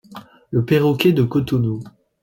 Le perroquet de Kotono.